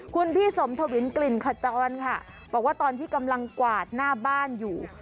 คุณพี่สมทวินกลิ่นขจรค่ะบอกว่าตอนที่กำลังกวาดหน้าบ้านอยู่